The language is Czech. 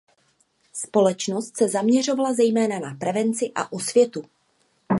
Společnost se zaměřovala zejména na prevenci a osvětu.